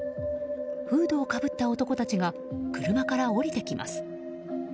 フードをかぶった男たちが車から降りてきます。